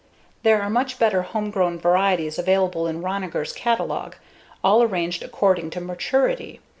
There are much better homegarden varieties available in Ronniger's catalog, all arranged according to maturity.